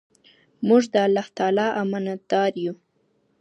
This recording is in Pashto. موږ د الله تعالی امانت دار یو.